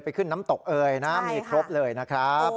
ขึ้นน้ำตกเอยนะมีครบเลยนะครับ